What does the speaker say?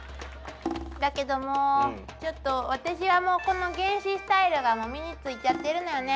だけどもちょっと私はもうこの原始スタイルが身についちゃっているのよね。